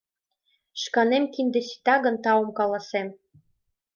Шканем кинде сита гын — таум каласем!